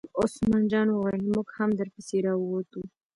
عثمان جان وویل: موږ هم در پسې را ووتو.